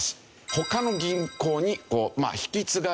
他の銀行に引き継がれる。